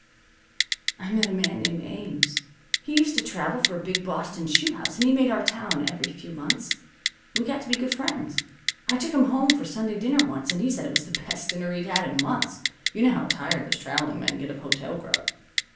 "I met a man named Ames. He used to travel for a big Boston shoe house, and he made our town every few months. We got to be good friends. I took him home for Sunday dinner once, and he said it was the best dinner he'd had in months. You know how tired those traveling men get of hotel grub."